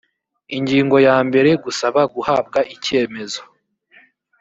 ingingo ya mbere gusaba guhabwa icyemezo